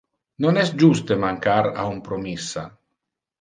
Non es juste mancar a un promissa.